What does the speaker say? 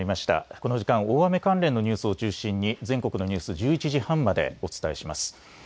この時間、大雨関連のニュースを中心に全国のニュース１１時半までお伝えします。